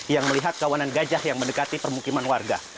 yang melihat kawanan gajah yang mendekati permukiman warga